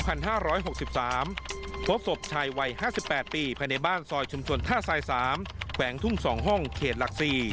พยายาม๑๖วิทยาลัยยนตร์๒๕๖๓พบศพชายวัย๕๘ปีภายในบ้านซอยชุมชวนท่าทราย๓แกว้งทุ่ง๒ห้องเขตหลัก๔